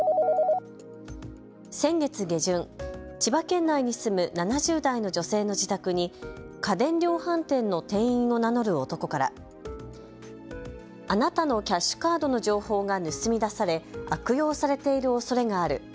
先月下旬、千葉県内に住む７０代の女性の自宅に家電量販店の店員を名乗る男からあなたのキャッシュカードの情報が盗み出され悪用されているおそれがある。